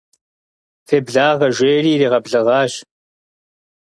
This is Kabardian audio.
Феблагъэ, жери иригъэблэгъащ.